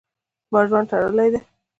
زما ژوند تړلی ده.